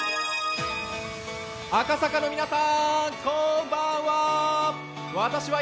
赤坂の皆さん、こんばんは。